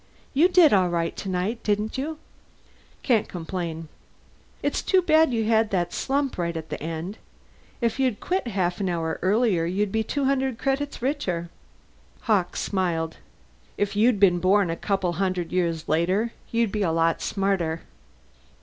"You did all right tonight, didn't you?" "Can't complain." "It's too bad you had that slump right at the end. If you'd quit half an hour earlier you'd be two hundred credits richer." Hawkes smiled. "If you'd been born a couple of hundred years later, you'd be a lot smarter."